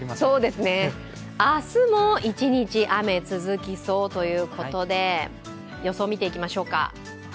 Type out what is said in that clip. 明日も一日、雨、続きそうということで予想を見ていきましょうか。